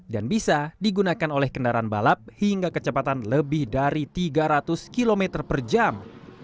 dan bisa digunakan oleh kendaraan balap hingga kecepatan lebih dari tiga ratus km per jam